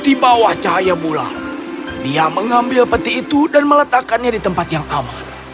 dia menariknya keluar dan menetapkan peti itu di tempat yang aman